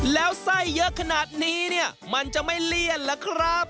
แล้วใส่เยอะขนาดนี้มันจะไม่เลี่ยนเหรอครับ